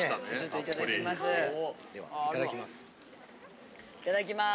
ではいただきます。